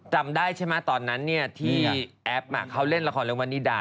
จำได้ใช่ไหมตอนนั้นที่แอปเขาเล่นละครเรื่องวันนิดา